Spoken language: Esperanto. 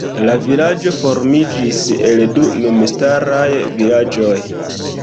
La vilaĝo formiĝis el du memstaraj vilaĝoj.